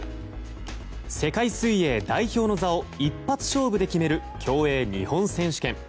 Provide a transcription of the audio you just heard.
世界水泳代表の座を一発勝負で決める競泳日本選手権。